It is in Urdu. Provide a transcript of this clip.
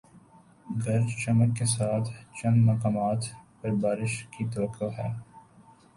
گرج چمک کے ساتھ چند مقامات پر بارش کی توقع ہے